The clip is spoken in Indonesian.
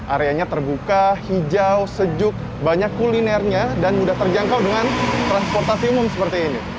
areanya terbuka hijau sejuk banyak kulinernya dan mudah terjangkau dengan transportasi umum seperti ini